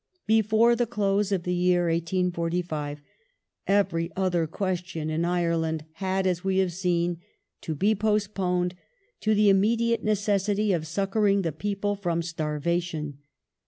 Before the close of the year 1845 every other question in Ire The land had, as we have seen, to be postponed to the immediate neces ^^^^^% sity of succouring the people from starvation.